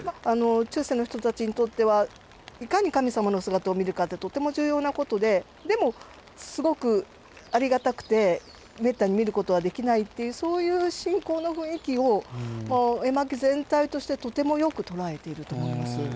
中世の人たちにとってはいかに神様の姿を見るかってとても重要なことででもすごくありがたくてめったに見ることはできないっていうそういう信仰の雰囲気を絵巻全体としてとてもよく捉えていると思います。